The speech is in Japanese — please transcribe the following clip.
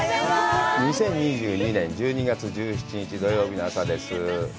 ２０２２年１２月１７日土曜日の朝です。